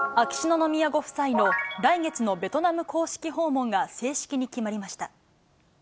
秋篠宮ご夫妻の来月のベトナム公式訪問が正式に決まりました。